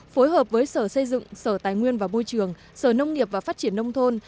phối hợp với sở xây dựng sở tài nguyên và môi trường sở nông nghiệp và phát triển nông thôn